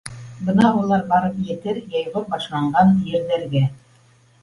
Бына улар барып етер йәйғор башланған ерҙәргә.